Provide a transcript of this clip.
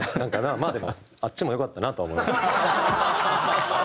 まあでもあっちも良かったなとは思います。